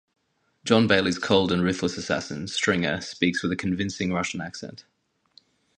John Bailey's cold and ruthless assassin, Stringer, speaks with a convincing Russian accent.